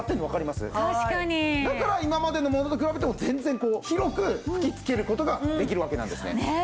だから今までのものと比べても全然こう広く吹きつける事ができるわけなんですね。